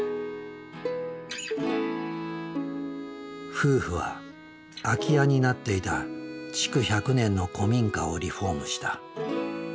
夫婦は空き家になっていた築１００年の古民家をリフォームした。